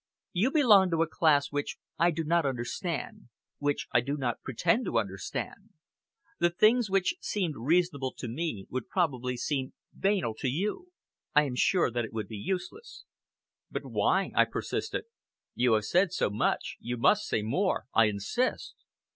You belong to a class which I do not understand which I do not pretend to understand. The things which seemed reasonable to me would probably seem banal to you. I am sure that it would be useless!" "But why?" I persisted. "You have said so much, you must say more. I insist!"